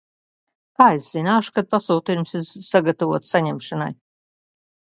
Kā es zināšu, kad pasūtījums ir sagatavots saņemšanai?